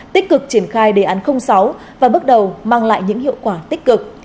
tích cực triển khai đề án sáu và bước đầu mang lại những hiệu quả tích cực